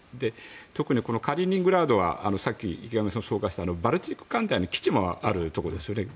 特にカリーニングラードはさっき池上さんが紹介したバルチック艦隊の基地もあるところですよね。